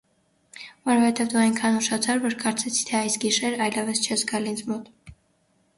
- Որովհետև դու այնքան ուշացար, որ կարծեցի, թե այս գիշեր այլևս չես գալ ինձ մոտ: